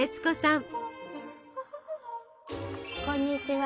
こんにちは。